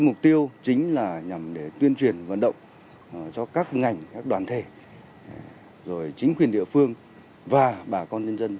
mục tiêu chính là nhằm để tuyên truyền vận động cho các ngành các đoàn thể rồi chính quyền địa phương và bà con nhân dân